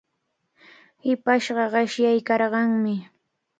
Hipashqa qishyaykarqanmi.